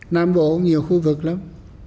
nam bộ cũng nhiều khu vực lắm